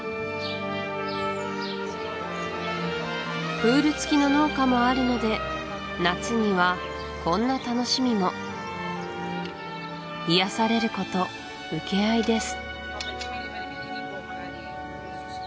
プールつきの農家もあるので夏にはこんな楽しみも癒やされること請け合いです